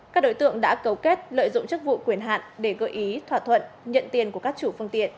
các đối tượng đã cấu kết lợi dụng chức vụ quyền hạn để gợi ý thỏa thuận nhận tiền của các chủ phương tiện